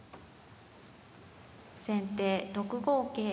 先手６五桂。